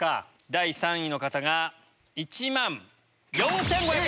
第３位の方が１万４５００円！